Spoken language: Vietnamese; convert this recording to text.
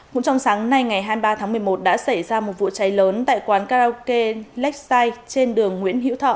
cũng trong sáng nay ngày hai mươi ba tháng một mươi một đã xảy ra một vụ cháy lớn tại quán karaoke leksai trên đường nguyễn hữu thọ